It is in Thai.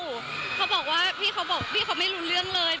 พี่เค้าบอกว่าพี่เค้าไม่รู้เรื่องเลย